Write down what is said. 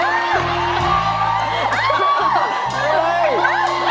เย้